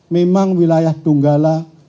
memang wilayah tunggala